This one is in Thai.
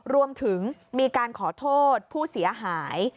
รวมถึงมีการขอโทษผู้เสียหาย